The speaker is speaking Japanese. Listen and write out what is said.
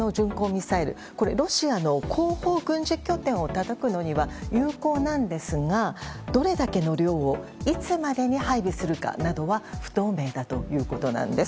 ミサイルロシアの後方軍事拠点をたたくには有効なんですがどれだけの量をいつまでに配備するかなどは不透明だということなんです。